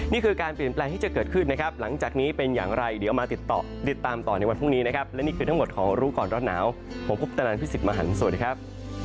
นี่คือการเปลี่ยนแปลงที่จะเกิดขึ้นนะครับหลังจากนี้เป็นอย่างไรเดี๋ยวมาติดต่อติดตามต่อในวันพรุ่งนี้นะครับและนี่คือทั้งหมดของรู้ก่อนร้อนหนาวผมพุทธนันพี่สิทธิ์มหันฯสวัสดีครับ